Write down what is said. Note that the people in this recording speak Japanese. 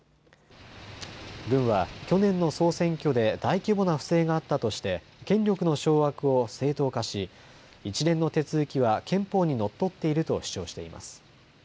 軍は去年の総選挙で大規模な不正があったとして権力の掌握を正当化し一連の手続きは憲法にのっとっていると主張しています。